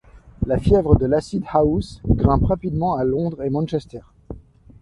La fièvre de l'acid house grimpe rapidement à Londres et Manchester.